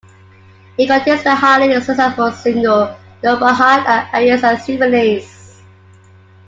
It contains the highly successful single "Nova Heart" and "Arias and Symphonies".